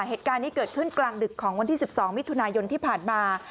เหตุการณ์นี้เกิดขึ้นกลางดึกของวันที่๑๒มิถุนายนที่ผ่านมา